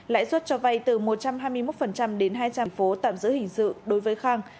lãi suất cho vay từ một trăm hai mươi một đến hai trăm linh phố tạm giữ hình sự đối với khang